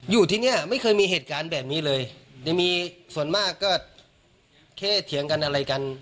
อยู่ที่เนี่ยไม่เคยมีเหตุการณ์แบบนี้เลยยังมีส่วนมากก็แค่เถียงกันอะไรกัน